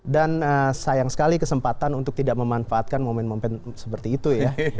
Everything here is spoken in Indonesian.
dan sayang sekali kesempatan untuk tidak memanfaatkan momen momen seperti itu ya